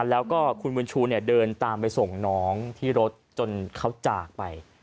แล้วก็คุณบุญชูเดินตามไปส่งน้องที่รถจนเขาจากไป